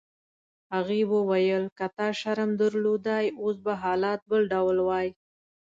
هغې وویل: که تا شرم درلودای اوس به حالات بل ډول وای.